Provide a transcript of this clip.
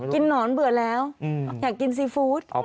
หนอนเบื่อแล้วอยากกินซีฟู้ด